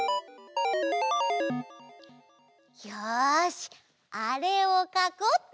よしあれをかこうっと！